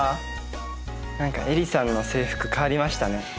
何かえりさんの制服変わりましたね。